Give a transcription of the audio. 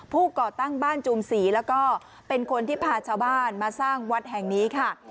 ก่อตั้งบ้านจูมศรีแล้วก็เป็นคนที่พาชาวบ้านมาสร้างวัดแห่งนี้ค่ะ